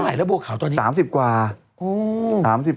ไอ้ฮึกเท่าไหร่นะบัวขาวตอนนี้